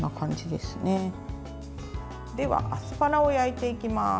では、アスパラを焼いていきます。